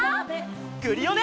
クリオネ！